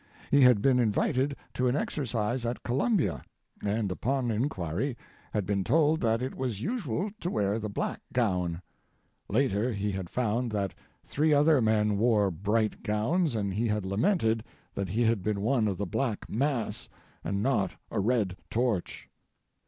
He had been invited to an exercise at Columbia, and upon inquiry had been told that it was usual to wear the black gown: Later he had found that three other men wore bright gowns, and he had lamented that he had been one of the black mass, and not a red torch.